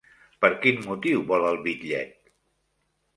Per quin motiu vol el bitllet?